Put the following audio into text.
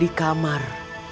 di atas kamar